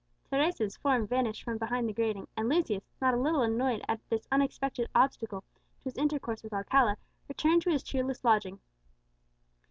Teresa's form vanished from behind the grating, and Lucius, not a little annoyed at this unexpected obstacle to his intercourse with Alcala, returned to his cheerless lodging.